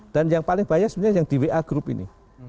dan yang paling banyak sebenarnya yang di wa group ini